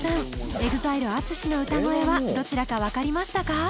ＥＸＩＬＥＡＴＳＵＳＨＩの歌声はどちらか分かりましたか？